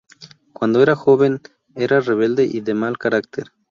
Cuando era joven era rebelde y de mal carácter.